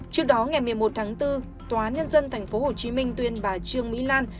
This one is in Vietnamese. trước đó ngày một mươi một tháng bốn tòa án nhân dân tp hcm tuyên bà trương mỹ lan